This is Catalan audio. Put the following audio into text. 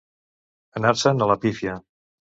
Anar-se'n a la pífia.